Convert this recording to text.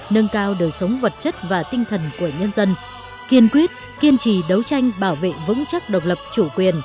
nâng cao đời sống vật chất và tinh thần của nhân dân kiên quyết kiên trì đấu tranh bảo vệ vững chắc độc lập chủ quyền